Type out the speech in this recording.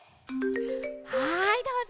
はいどうぞ。